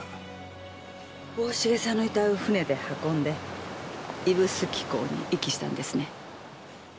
大重さんの遺体を船で運んで指宿港に遺棄したんですね。